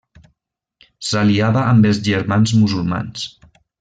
S'aliava amb els Germans Musulmans.